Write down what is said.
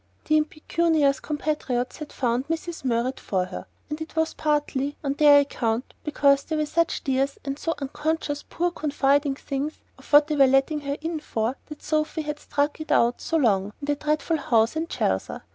The impecunious compatriots had found Mrs. Murrett for her, and it was partly on their account (because they were such dears, and so unconscious, poor confiding things, of what they were letting her in for) that Sophy had stuck it out so long in the dreadful house in Chelsea.